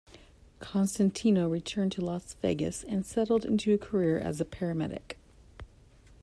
Costantino returned to Las Vegas and settled into a career as a paramedic.